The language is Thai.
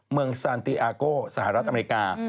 เมืองสันติอาโกสหรัฐอเมริกา